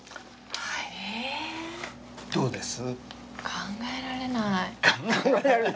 どうです？